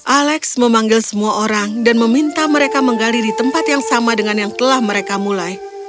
alex memanggil semua orang dan meminta mereka menggali di tempat yang sama dengan yang telah mereka mulai